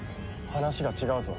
話が違うぞ。